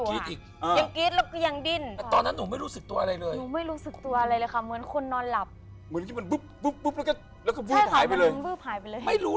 ไมงรู้เลยว่าตัวเองกรี๊ดอะไรเอาไป